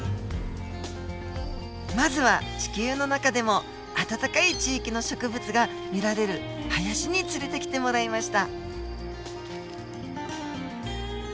まずは地球の中でも暖かい地域の植物が見られる林に連れてきてもらいました。